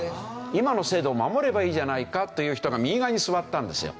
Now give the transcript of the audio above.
今の制度を守ればいいじゃないかという人が右側に座ったんですよ。